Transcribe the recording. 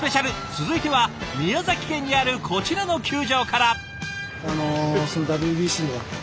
続いては宮崎県にあるこちらの球場から。